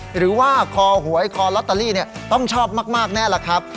หรือว่าคอหวยคอลอตเตอรี่ต้องชอบมากแน่ล่ะครับ